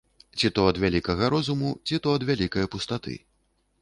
Ці то ад вялікага розуму, ці то ад вялікае пустаты.